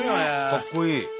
かっこいい。